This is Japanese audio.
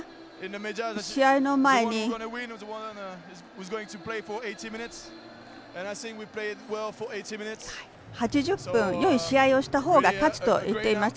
試合の前に８０分よい試合をした方が勝つと言っていました。